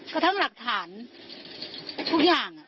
กระทั่งหลักฐานทุกอย่าง